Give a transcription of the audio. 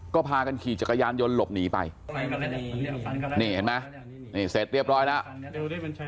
ก็พากันขี่จักรยานยนต์หลบหนีไปนี่เห็นไหมนี่เสร็จเรียบร้อยแล้ว